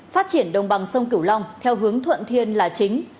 phát triển đồng bằng sông cửu long theo hướng thuận thiên là chính